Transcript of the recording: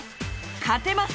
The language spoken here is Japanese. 勝てます！